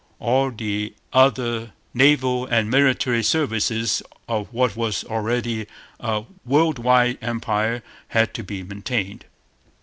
All the other naval and military services of what was already a world wide empire had to be maintained.